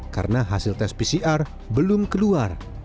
karena hasil tes pcr belum keluar